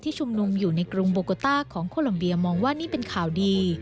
ชุมนุมอยู่ในกรุงโบโกต้าของโคลัมเบียมองว่านี่เป็นข่าวดี